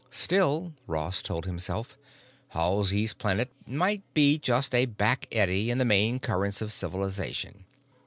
Still, Ross told himself. Halsey's Planet might be just a back eddy in the main currents of civilization.